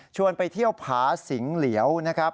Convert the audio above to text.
ไปเที่ยวผาสิงเหลียวนะครับ